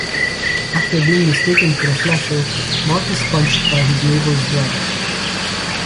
After being mistaken for a flasher, Mark is punched by his neighbour's brother.